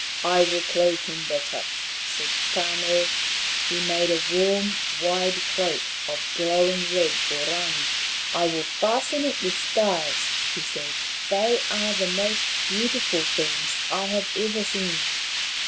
" I will clothe him better," said Tane. He made a warm wide cloak of glowing red for Rangi. "I will fasten it with stars," he said. " They are the most beautiful things I have ever seen."